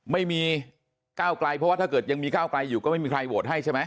ไม่มีก้าวไกลเพราะว่าถ้าเกิดยังมีก้าวไกลอยู่ก็ไม่มีใครโหวตให้ใช่ไหม